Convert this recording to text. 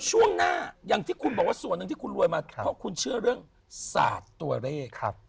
ช่วงหน้าอย่างที่คุณบอกว่าส่วนหนึ่งที่คุณรวยมาเพราะคุณเชื่อเรื่องศาสตร์ตัวเลข